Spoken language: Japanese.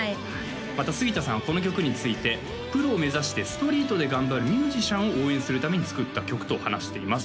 また杉田さんはこの曲についてプロを目指してストリートで頑張るミュージシャンを応援するために作った曲と話しています